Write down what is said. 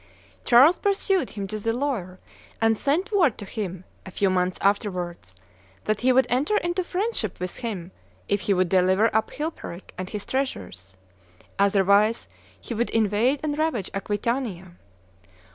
Charles pursued him to the Loire, and sent word to him, a few months afterwards, that he would enter into friendship with him if he would deliver up Chilperic and his treasures; otherwise he would invade and ravage Aquitania.